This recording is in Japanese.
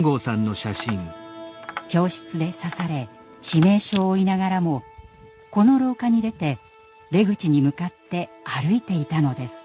教室で刺され致命傷を負いながらもこの廊下に出て出口に向かって歩いていたのです。